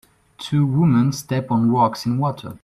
Two women step on rocks in water